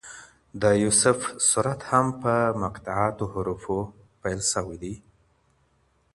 د يوسف سورت هم په مقطعاتو حروفو پيل سوی دی.